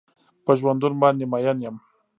په ژوندون باندې مين يم.